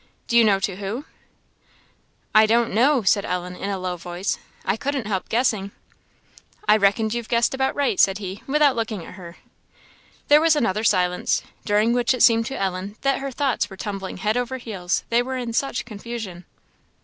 Do you know to who?" "I don't know," said Ellen, in a low voice; "I couldn't help guessing." "I reckon you've guessed about right," said he, without looking at her. There was another silence, during which it seemed to Ellen that her thoughts were tumbling head over heels, they were in such confusion.